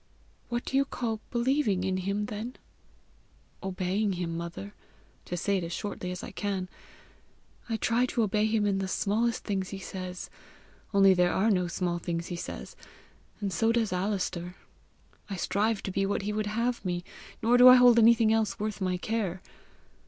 "What do you call believing in him, then?" "Obeying him, mother to say it as shortly as I can. I try to obey him in the smallest things he says only there are no small things he says and so does Alister. I strive to be what he would have me, nor do I hold anything else worth my care.